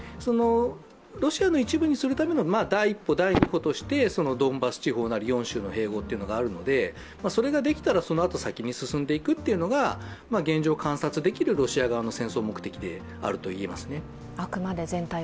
ロシアの一部にするための第一歩、第二歩として、ドンバス地方なり４州の併合があるので、それができたらそのあと先に進んでいくというのが現状観察できるロシア側の戦争目的であると言えますね。